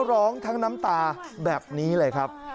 และก็มีการกินยาละลายริ่มเลือดแล้วก็ยาละลายขายมันมาเลยตลอดครับ